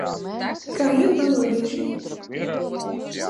Kā iet, balodīši?